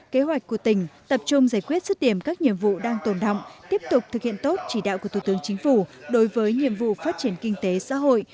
kế hoạch của tỉnh tập trung giải quyết sức điểm các nhiệm vụ đang tồn động tiếp tục thực hiện tốt chỉ đạo của thủ tướng chính phủ đối với nhiệm vụ phát triển kinh tế xã hội